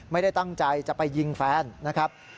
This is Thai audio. ไม่ได้ตั้งใจจะไปยิงแฟนนะครับ